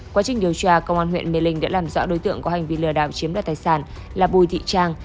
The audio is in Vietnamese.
quá trình điều tra công an huyện mê linh đã làm rõ đối tượng có hành vi lừa đảo chiếm đoạt tài sản là bùi thị trang